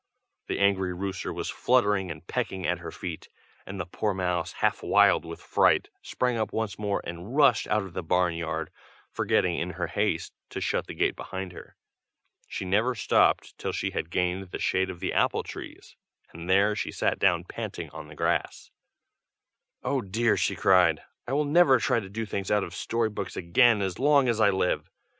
The angry rooster was fluttering and pecking at her feet, and the poor mouse, half wild with fright, sprang up once more and rushed out of the barn yard, forgetting in her haste to shut the gate behind her. She never stopped till she had gained the shade of the apple trees, and there she sat down panting on the grass. "Oh dear!" she cried, "I will never try to do things out of story books again as long as I live.